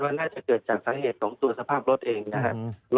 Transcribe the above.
ว่าน่าจะเกิดจากสังเหตุของสภาพรถเอง